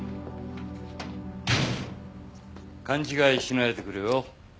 勘違いしないでくれよ。